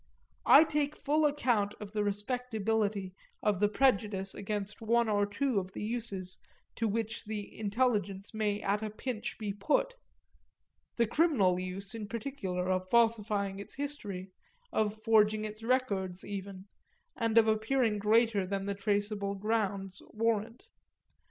I take full account of the respectability of the prejudice against one or two of the uses to which the intelligence may at a pinch be put the criminal use in particular of falsifying its history, of forging its records even, and of appearing greater than the traceable grounds warrant.